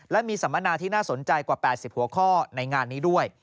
และมีสัมมนาที่น่าสนใจกว่า๘๐หัวข้อในงานนี้ด้วย